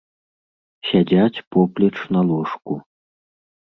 Сядзяць поплеч на ложку.